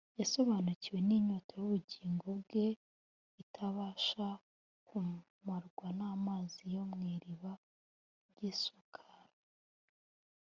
. Yasobanukiwe n’inyota y’ubugingo bwe, itabasha kumarwa n’amazi yo mw’iriba ry’i Sukara